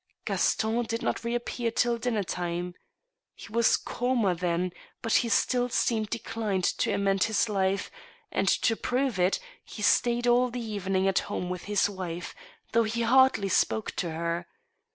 Gaston did not reappear till dinner time. He was calmer then, but he still seemed decided to amend his life, and. to prove it, he stayed all the evening at home with his wife, though he hardly spoke to her.